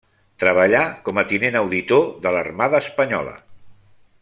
Treballà com a tinent auditor de l'Armada Espanyola.